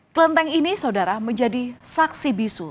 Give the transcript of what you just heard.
kelenteng ini saudara menjadi saksi bisu